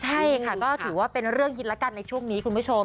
ใช่ค่ะก็ถือว่าเป็นเรื่องฮิตแล้วกันในช่วงนี้คุณผู้ชม